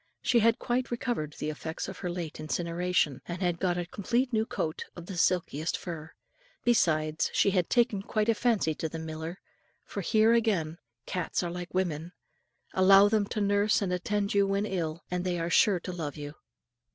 She had quite recovered the effects of her late incineration; and had got a complete new coat of the silkiest fur. Besides, she had taken quite a fancy to the miller, for here again cats are like women: allow them to nurse and attend you when ill, and they are sure to love you.